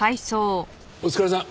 お疲れさん。